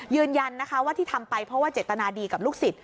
ยืนยันนะคะว่าที่ทำไปเพราะว่าเจตนาดีกับลูกศิษย